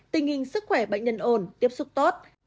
tình hình sức khỏe bệnh nhân ổn tiếp xúc tốt